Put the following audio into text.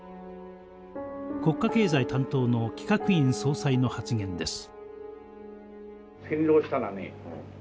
国家経済担当の企画院総裁の発言です。